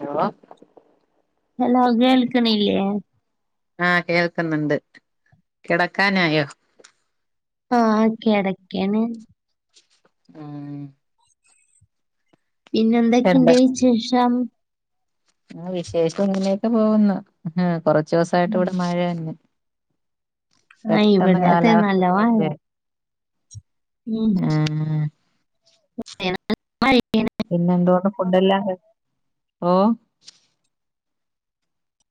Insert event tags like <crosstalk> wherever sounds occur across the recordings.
Hello hello കേൾക്കിണല്ലേ ആഹ് കേൾക്കുന്നുണ്ട് കിടക്കാനായോ ആ ക്കെട ക്കാണ് ആ പിന്നെ എന്തൊക്കെയുണ്ട് വിശേഷം ആ വിശേഷം ഇങ്ങനെയൊക്കെ പോകുന്നു കൊറ ച്ച് ദിവസമായിട്ട് ഇവിടെ മഴ തന്ന ആ ഇവിടെ അതെ നല്ല മഴ ഉം <unintelligible> പിന്നെ എന്തോണ്ട് ഫുഡല്ലാ ഓ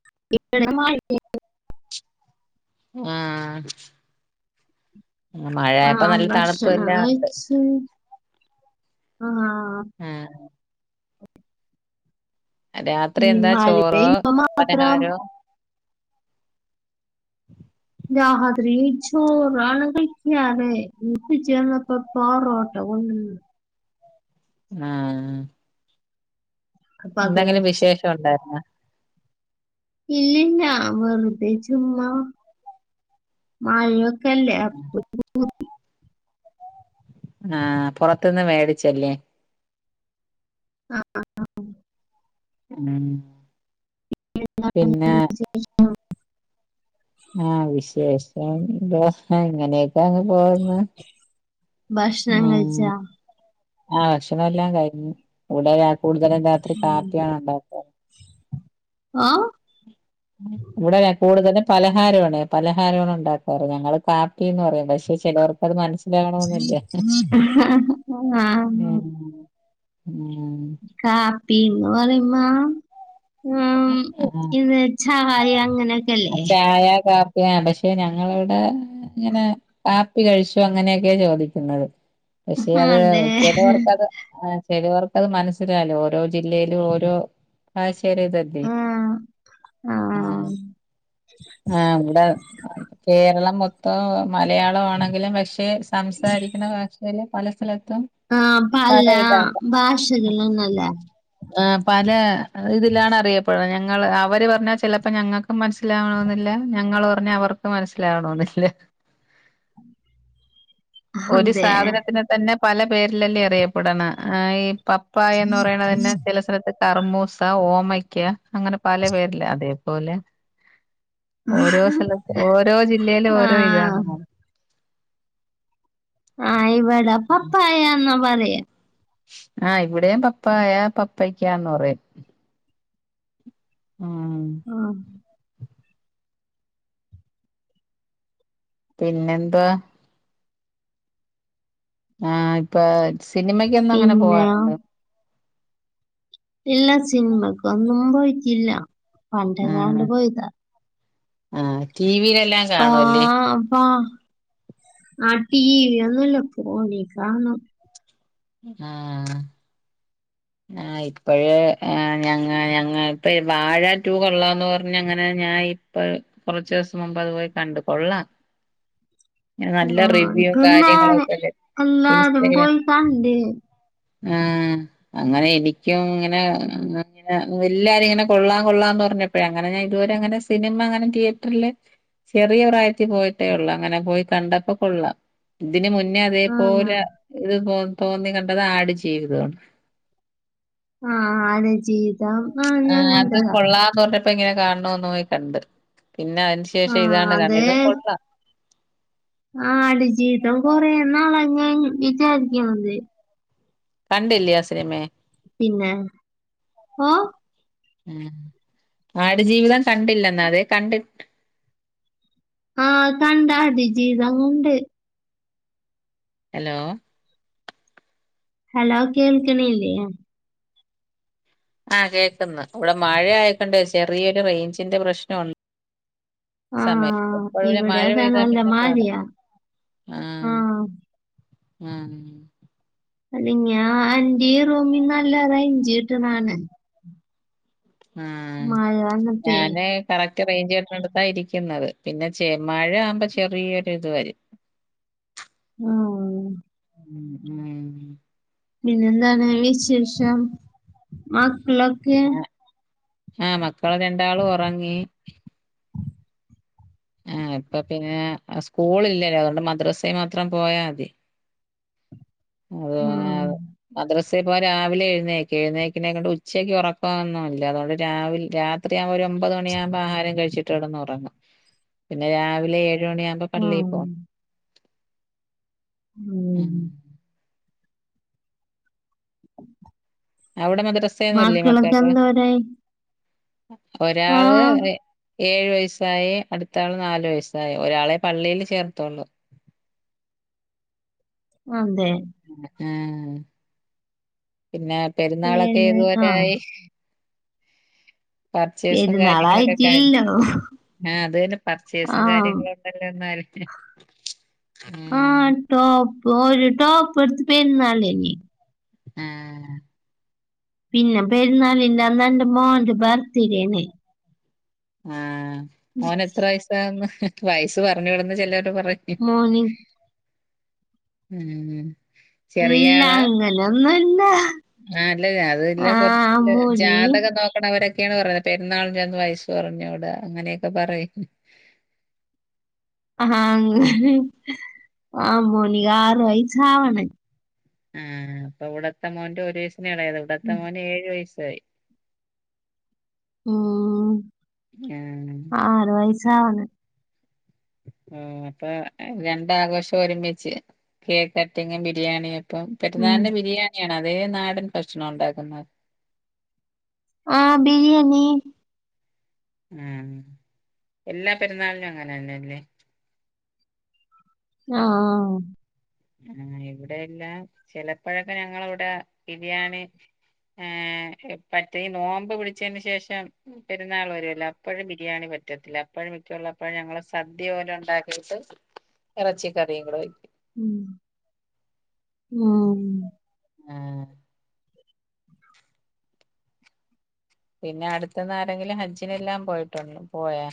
<inaudible> ആഹ ആഹ് മഴയായപ്പംനല്ല തണ്പ്പ് എല്ലാംണ്ട് ആഹ ആഹ രാത്രി ഈ എന്താ മഴ ചോറോ പെയ്യുമ്പോ മാത്രം പലഹാരോ രാത്രി ചോറണ് കഴിക്കാറേ ഇന്ന്പ്പച്ചിവന്നപ്പ പാറോട്ട കൊണ്ട് വന്ന് ആഹ അപ്പൊ അത് എന്തെങ്കിലും കഴിച്ചു വിശേഷം ഉണ്ടായിരുന്നോ ഇല്ലില്ല വെറുതെ ചുമ്മാ മഴൊക്കെല്ലേ അപ്പൊ രു പൂതി ആഹ പുറത്ത്ന്ന് മേടിച്ചല്ലേ ആഹ ഉ ആഹ വിശേഷ ഇന്ത ഇങ്ങനെയൊക്കാ അങ്ങ് പോവ്ന്ന് ഭക്ഷണം കഴിച്ചാ ആഹ ഭക്ഷണം എല്ലാം കഴിഞ്ഞു കൂടെ രാ കൂടുതലും രാത്രി കാപ്പിയാണ് ഉണ്ടാക്കാ ഓഹ ഇവിടെ കൂടുതലും പലഹാരമാണ് പലഹാരമാണ് ഉണ്ടാക്കാറ് ഞങ്ങള് കാപ്പിന്ന് പറയും പക്ഷെ ചിലവർക്ക്ത് മനസ് ആഹ ഉം കാപ്പിന്ന് പറയ്മ്മം ആ ഉം ഇത് ചായ അങ്ങനെയൊക്കെല്ലേ യാ പക്ഷെ ഞങ്ങളിവിടെ ഇങ്ങനെ കാപ്പി കഴിച്ചു അങ്ങനെയൊക്കെയ ചോദിക്കുന്നത് പക്ഷെ അത് അതെ ചിലവർക്കത് ചിലവർക്കത് മനസ്സിലായല്ല ഓരോ ജില്ലയിലും ഓരോ ഭാഷയില ആഹ് ആ ആഹ് ആ ഇവിടെ കേരളം മൊത്ത ഇപ്പോ മലയാളം ആണെങ്കിലും പക്ഷ പക്ഷേ സംസാരിക്കണ ഭാഷല് പല സ്ഥലത്ത് ആ പല ഭാഷകളെന്നു ആ പല ഇതിലാണ് അറിയപ്പെടുന്നത് ഞങ്ങൾ അവര് പറഞ്ഞാ ചിലപ്പോ ഞങ്ങൾക്കും മനസ്സിലാവണെന്നില്ല ഞങ്ങൾ പറഞ്ഞാ അവർക്കും മനസിലാവണെന്നില്ല ഒരു അതെ സാധനത്തിനന് തന്നെ പല പേരിലല്ലേ അറിയപ്പെടണം ഈ പപ്പായ എന്ന് പറയണ തന്നെ അത്ത് കറുമൂസ ഓമയ്ക്ക അങ്ങനെ പല പേരിലേ അതെ പോലെ ഓരോ സ്ഥലത്ത് ഓരോ ജില്ലയിലും ഓരോ ഇതാണ് ആഹ് ആ ഇ ഇവട പപ്പായ പറയാ ആ ഇവിടെയും പപ്പായ പപ്പക്കാന്ന് പറയും ഉം ആ പിന്നെന്തുവാ ആ ഇപ്പൊ സിനിമക്കൊന്നങ്ങനെ പിന്നെ പോവാറുണ്ടൊ ഇല്ലാ സിനിമക്കൊന്നും പോയിട്ടില്ല പണ്ടങ്ങാണ്ട് പോയിതാ ആ ടിവിലൊ <unintelligible> ടി വി ഒന്നുംല്ല ഫോണിൽ കാണും ആ ആ ഇപ്പഴേ ഞങ്ങ ഞങ്ങ ഇപ്പ വാഴ ടു കൊള്ളാംന്ന് പറഞ്ഞ അങ്ങനെ ഞാ ഇപ്പ കുറച്ചു ദിവസം മുമ്പ് അതു പോയി കണ്ടു കൊള്ളാം നല്ല ആ റിവ്യൂ ഇപ്പ എല്ലാരും കാര്യങ്ങളൊക്കെല്ലേ എല്ലാരും പോയി കണ്ട് ആ അങ്ങനെ എനിക്കും ഉം. ഇങ്ങനെങ്ങനെ എല്ലാരും ഇങ്ങനെ കൊള്ളാം കൊള്ളാംന്ന് പറഞ്ഞപ്പോഴ അങ്ങനെ ഞൻ ഇതുവരെ അങ്ങനെ സിനിമ അങ്ങനെ തീയറ്ററിൽ ചെറിയ പ്രായത്തിൽ പോയിട്ടേ ഉള്ളൂ അങ്ങനെ പോയി കണ്ടപ്പോ കൊള്ളാം ഇതിന് മുന്നേ പിന്നെ ആണോ? അതേപോലെ ഇത് പോ <unintelligible> <unintelligible> ആ ഞാൻ അത് കണ്ടതാ കൊള്ളാ തോ പ്പ എങ്ങനെ <unintelligible> കണ്ട് പിന്നെ അതിന് ആ ശേഷം ഇതാണ് കണ്ട്‌ ഇതും കൊള്ളാം. ആടു ജീവിതം കൊറേ <unintelligible> കണ്ടില്ലേ ആ സിനിമ പിന്നെ ഓ ആടുജീവിതം കണ്ടില്ല <unintelligible> ആ കണ്ടാ മതി <unintelligible> ഹലോ ഹലോ കേൾക്കിണില്ലേ ആഹ കേക്ക്ന്ന് ഇവിടെ മഴ ആയികൊണ്ട് ചെറിയൊരു റേഞ്ചിന്റെ പ്രശ്ന ആ സമേം <unintelligible> ഇവിടെ മഴ അതാ പെയ്ത നല്ല പിന്നെ പാട മഴയാ ആ ആ അല്ല ഞാൻ ന്റെ ഈ റൂമിൽ നല്ല റേഞ്ച് കിട്ടണാണ് ആഹ് മഴ വന്നപ്പേഴ് ഞാന് <unintelligible> ഇരിക്കുന്നത് പിന്നെ ചെ മഴ ആവുമ്പോ ചെറിയൊരു ഇത് വരു ആ ഉം പിന്നെന്താണ് വിശേഷം <unintelligible> ആ മക്കള് രണ്ടാളും ഒറങ്ങി ആ ഇപ്പ പിന്നെ സ്കൂൾ ഇല്ലേ അതൊ ണ്ട് മദ്രസയി മാത്രം പോയാ മതി ആ <unintelligible> മദ് സ് പ്പോ രാവിലെ എഴുന്നേക്കെ <unintelligible> ഉച്ചക്ക് ഉറക്കൊന്നുമില്ല അതുകൊണ്ട് രാത്രി ഒരു ഒമ്പത് മണിയാകുമ്പോ ആഹാരം കഴിച്ചിട്ട് കി ടന്ന് ഉറങ്ങും പിന്നെ രാവിലെ <unintelligible> ആ പള്ളിൽ പോ ഉം. അവ്ടെ ങ്ങക്ക് <unintelligible> ഒരാള് ആഹ് ഏഴു വയസ്സായി അടുത്ത ആള് നാലു വയസ്സായി ഒരാളെ പള്ളീ ൽ ചേർതൊള്ളൂ <unintelligible> <unintelligible> പിന്നെ പെരുന്നാളൊക്കെ ഏഴ് ഏതുവരെ ആഹ് യായ് പർച്ചേസും കാര്യങ്ങളൊക്കെ <unintelligible> പെരുന്നാളായിട്ടില്ലല്ലോ ആ അത് തന്നെ പർച്ചേസും ആഹ് <unintelligible> <inaudible> ആ ടോപ്പ് ഒരുര ടോപ്പ് <unintelligible> പരന്നല്ലേനി ഉം പിന്നെ പെരുന്നാളിന്റെ അന്ന് എൻറെ മോന്റെ ബർത്ത്ഡേനെ ആ മോനെ എത്ര വയസ ആന്ന് വയസ് പറഞ്ഞു വിടന്ന് ചെല മോനെ ഉം എല്ല അങ്ങനൊന്നുല്ല ആ അല്ലഅത് <unintelligible> ആഹ് കുറച്ചല്ല മോന് ജാതകം നോക്കണവരെ ക്കെയാണ് പറഞ്ഞത് പെരുന്നാളിന്റന്ന് വയസ്സ് പറഞ്ഞൂട അങ്ങനെയൊക്കെ പറയ ആ ആഹ് മോനിക ആറ് വയസാ വണ് ആ അപ്പൊ ഇവിടത്തെമോന്റെ ഒരെ എളേത് ഇവിടെത്ത മോന് എഴു വയസ് <unintelligible> ഉം ആഹ് ആറ് വയ- സാവണ് ഓ അപ്പൊ രണ്ടാഘോഷം ഒരുമിച്ച് കേക്കട്ടിങ്ങും ബിരിയാണിയൊക്കെ പ്പം ഉം പെര്ന്നാളിന് ബിരിയാണിയാ- അതേ നാടൻ ഭക്ഷണാ ഉണ്ടാക്കുന്നത് ആഹ് ബിരിയേണി ഉം എല്ലാ പെരുന്നാളിനു അങ്ങനെന്നല്ലേ ആഹ് ആ ഇവിടെ എല്ലാം ചെലപ്പഴൊക്കെ ഞങ്ങളവിടെ ബിരിയാണി ഏ പറ്റി ഈ നോമ്പ് പിടിച്ചതിന് ശേഷം പെരുന്നാൾ വരുല്ലോ അപ്പഴും ബിരിയാണി പറ്റത്തില്ല അപ്പഴും മിക്കുള്ള അപ്പോഴും ഞങ്ങള് സദ്യ പോലെ ഉണ്ടാക്കിട്ട് ഇറച്ചി കറിയും കൂടെ വെക്കും ഉം ആം ആഹ് പിന്നെ അടുത്തന്ന് ആരെങ്കിലും ഹജ്ജിനെല്ലാം പോയിട്ടുണ്ട് പോയോ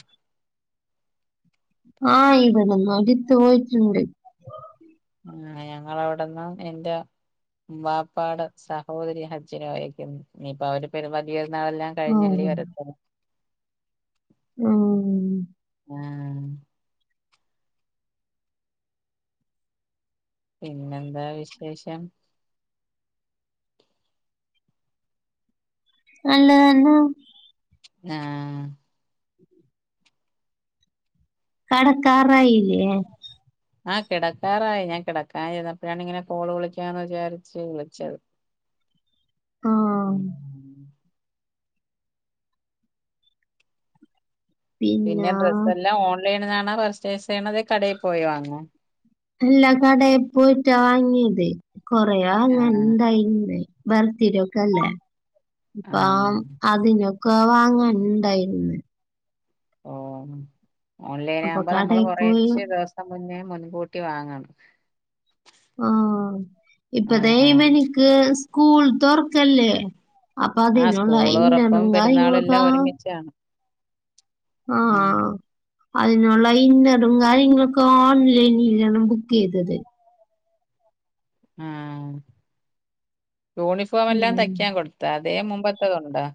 ആഹ് ഇവിടന്ന് ഒരു <unintelligible> ഇണ്ട് ആ ഞങ്ങളവിടെന്ന് എന്റെ വാപ്പാടെ സഹോദരി ഹജ്ജിനോയെക്കുന്നു നീപ്പൊ അവര് <unintelligible> എന്നാവെല്ലാം കഴിഞ്ഞല്ലേ വര <unintelligible> ആഹ് ആഹ് പിന്നെന്താ വിശേഷം? നല്ലത് തന്നെ ആഹ് കടക്കാറായില്യേ? ആഹ് കിടക്കാറായി ഞാൻ കിടക്കാൻ ഇരുന്നപ്പഴാണ് ഇങ്ങനെ കോള് വിളിക്കാന്ന് വിചാരിച്ച് വിളിച്ചത്. ആ. ഉം പിന്നെ ഡ്രസ്സ് എല്ലാം ഓൺലൈനിന്നാണ് ന്നാ പർചെയ്സ് ചെയ്യണത് കടേ പോയി വാങ്ങുമോ? അല്ല കടെ പോയിറ്റാ വാങ്ങിയത്. കൊറയാ അങ്ങ ആഹ് <unintelligible> ബെർത്തിഡയൊക്കെയല്ലേ അപ്പം ആഹ് അതിനൊക്ക് ക്കെ വാങ്ങാൻ ഇണ്ടായിരുന്ന് ഓഹ് ഓൺലൈൻ അപ്പൊ ആകുമ്പോ നമ്മള് കടയിൽ പോയി കൊറേച്ച് ദിവസം മുന്നേ മുൻകൂട്ടി വാങ്ങാണ്. ആ ഇപ്പതെ ആഹ് ഇവനിക്ക് സ്കൂൾ തൊറക്കല്ലേ. ആ സ്കൂള് തൊറപ്പും പെരുന്നാളും എല്ലാം ഒരുമിച്ചാണ് അഹ് ആ അതിനുള്ള ഇന്നറും കാര്യങ്ങളൊക്കെ ഓൺലൈനിലാണ് ബുക്ക് ചെയ്തത്. ആഹ് യൂണിഫോം എല്ലാം ഉം തയ്ക്കാൻ കൊടുത്താ? അതേ മുമ്പത്തതുണ്ടാ?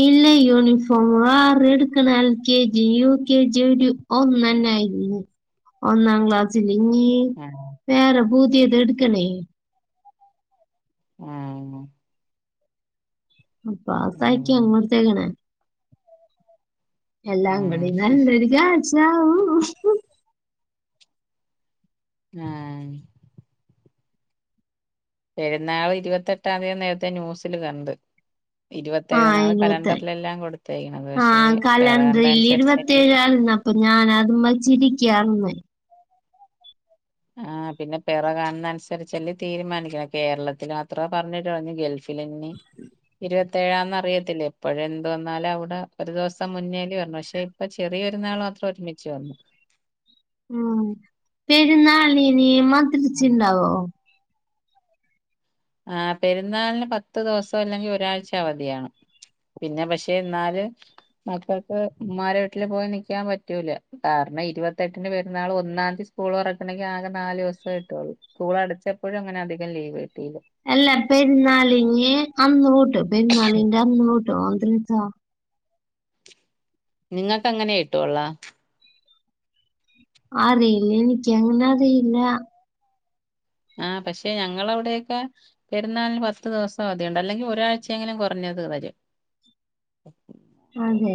ഇല്ല യൂണിഫോം വേറെ എടുക്കണം, L K G, U K G ഒരു ഒന്നന്നൊയിരുന്നു, ഒന്നാം ക്ലാസ്സി <unintelligible> ആഹ് വേറ പുതിയത് എടുക്കണേ ആ അപ്പ ഉം തയ്ക്കാൻകൊടുത്തക്കണെ എല്ലാം ഉം അങ്ങടിങ്ങട് <unintelligible> <unintelligible> ആ അ പെരുന്നാള് ഇരുപത്തെട്ടാം തീയതിയാ നേരത്തെ ന്യൂസില് കണ്ട് ആഹ ഇരുപത്തേഴെന്നാണ് ഇരുപത്തി കലണ്ടറിലെല്ലാം കൊടുത്തേക്കണത് പക്ഷേ ആഹ പെറ കണ്ട കലണ്ടൽ അനുസരിച്ചല്ലേ ഇരുപത്തേഴ ആരുന്ന് അപ്പൊ ഞാൻ അത് വച്ചിരിക്ക ക്യാർന്ന് ആ പിന്നെ പിറ കാണുന്ന അനുസരിച്ചല്ല തീരുമാനിക്കണെ കേരളത്തില് അത്ര പറഞ്ഞിട്ട പറഞ്ഞു ഗൾഫിലിനി ഇരുപത്തേഴാന്ന് അറിയത്തില്ല ഇപ്പോഴ എന്ത് വന്നാലും അവിടെ ഒരു ദിവസം മുന്നല്ലേ വരുന്നേ പക്ഷെ ഇപ്പ ചെറിയരുന്നാൾ മാത്ര ഒരുമിച്ചു വന്നു ഉ പെരുന്നാളിന് തിരിച്ചണ്ടാവോ ആ പെരുന്നാളിന് പത്ത് ദിവസം അല്ലെങ്കിൽ ഒരാഴ്ച അവധിയാണ് പിന്നെ പക്ഷെ എന്നല് മക്കൾക്ക് ഉമ്മാരു വീട്ടില് പോയി നിക്കക്കാൻ പറ്റൂല കാരണം ഇരുപത്തെട്ടിന്റെ പെരുന്നാൾ ഒന്നാം തീയതി സ്കൂൾ ഉറക്കണെങ്കിൽ ആകെ നാല് ദിവസം കിട്ടുള്ളൂ സ്കൂൾ അടിച്ചപ്പോഴും അങ്ങനെ അധികം ലീവ് കിട്ടിയില്ല എല്ലാം പെരുന്നാളിന് അന്ന്തൊട്ട് പെരുന്നാളിന്റെ അന്നു തൊട്ട് <unintelligible> നിങ്ങക്ക് അങ്ങനെ കിട്ടുവൊള്ളോ അറിയില്ല എനിക്ക് അങ്ങനെ അറിയില്ല. ആ പക്ഷെ ഞങ്ങള അവിടേക്ക പെരുന്നാളിന് ഫസ്റ്റ് ദിവസം അല്ലെങ്കി ഒരാഴ്ച എങ്കിലും കുറഞ്ഞത് വരും. ആ അതേ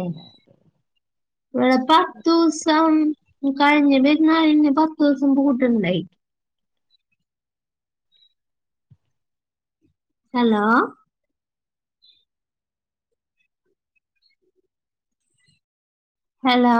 ഇവ്ടെ പത്തൂസം കഴിഞ്ഞ പെരുന്നാളിന് പത്തൂസം പൂട്ടുണ്ടായി. Hello hello